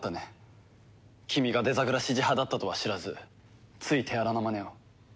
君がデザグラ支持派だったとは知らずつい手荒なまねを。